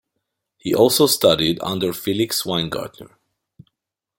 He also studied under Felix Weingartner.